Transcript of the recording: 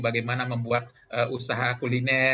bagaimana membuat usaha usaha lain selain haji dan umroh